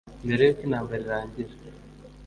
mbere y uko intambara irangira